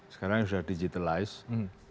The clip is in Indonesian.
sekarang sudah digitalized